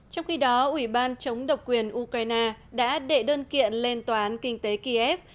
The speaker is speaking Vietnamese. trong khi đó ủy ban chống độc quyền ukraine đã đệ đơn kiện lên tòa án kinh tế kiev